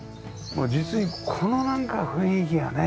実にこのなんか雰囲気がね